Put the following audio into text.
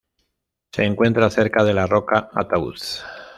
Se encuentra cerca de la roca Ataúd.